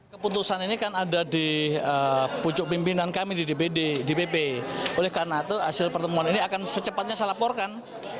keputusan ini kan ada di pucuk pimpinan kami di dpd dpp oleh karena itu hasil pertemuan ini akan secepatnya saya laporkan